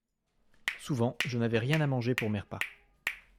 Souvent je n'avais rien à manger pour mes repas.